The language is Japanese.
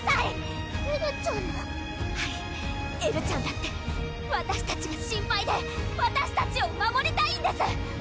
はいエルちゃんだってわたしたちが心配でわたしたちを守りたいんです！